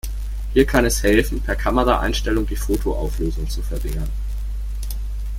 Hier kann es helfen, per Kameraeinstellung die Foto-Auflösung zu verringern.